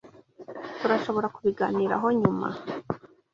Tturashoborakubiganiraho nyuma.